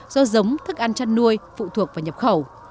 do giống thức ăn chăn nuôi phụ thuộc vào nhập khẩu